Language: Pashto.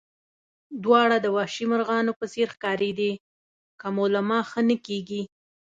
دواړه د وحشي مرغانو په څېر ښکارېدې، که مو له ما ښه نه کېږي.